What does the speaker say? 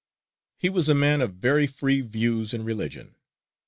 _)] He was a man of very free views in religion.